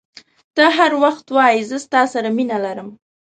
ته هر وخت وایي زه ستا سره مینه لرم.